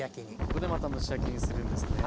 ここでまた蒸し焼きにするんですね。